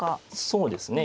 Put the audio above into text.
そうですね。